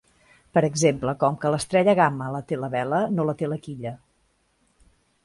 Per exemple, com que l'estrella Gamma la té la Vela, no la té la Quilla.